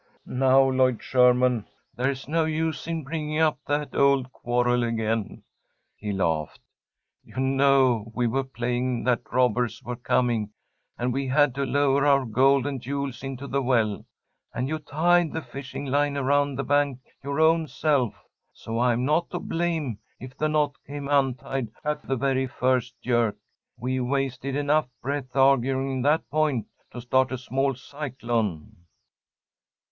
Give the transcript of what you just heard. "Now, Lloyd Sherman, there's no use in bringing up that old quarrel again," he laughed. "You know we were playing that robbers were coming, and we had to lower our gold and jewels into the well, and you tied the fishing line around the bank your own self. So I am not to blame if the knot came untied at the very first jerk. We've wasted enough breath arguing that point to start a small cyclone."